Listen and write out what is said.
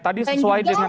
tadi sesuai dengan